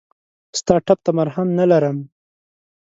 ستا ټپ ته مرهم نه لرم !